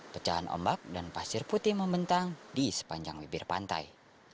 pecahan ombak dan pasir putih membentang di sepanjang bibir pantai